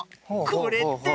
これって。